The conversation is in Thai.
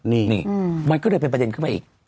นี่มันก็เลยเป็นประเด็นขึ้นมาอีก